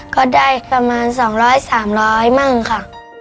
ก็ได้ประมาณ๒๐๐๓๐๐มั่งค่ะ